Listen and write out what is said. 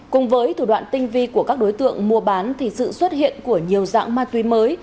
cùng với thủ đoạn tinh vi của các đối tượng mua bán thì sự xuất hiện của nhiều dạng ma túy mới